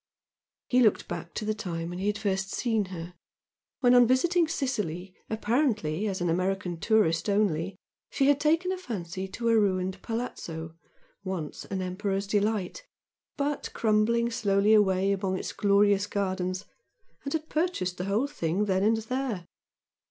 He looked back to the time he had first seen her, when on visiting Sicily apparently as an American tourist only, she had taken a fancy to a ruined "palazzo" once an emperor's delight, but crumbling slowly away among its glorious gardens, and had purchased the whole thing then and there.